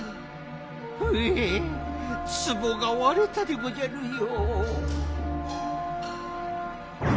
ほえツボがわれたでごじゃるよ。